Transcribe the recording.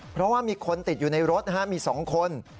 เพราะว่ามีคนติดอยู่ในรถมี๒คน